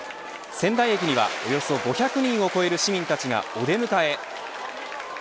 仙台駅には、およそ５００人を超える市民たちがお出迎え。